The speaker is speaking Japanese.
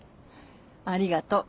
ありがとう。